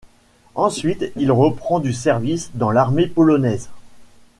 Ensuite il reprend du service dans l'Armée polonaise.